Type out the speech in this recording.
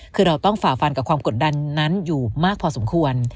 คือเราต้องฝ่าฟันกับความกดดันนั้นอยู่มากพอสมควร